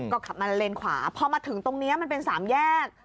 ก็ขับมาเลนขวาพอมาถึงตรงนี้มันเป็นสามแยก